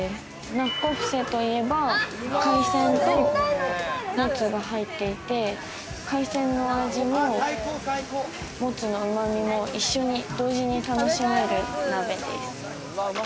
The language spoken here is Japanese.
ナッコプセといえば海鮮とモツが入っていて、海鮮の味のモツの旨味も一緒に同時に楽しめる鍋です。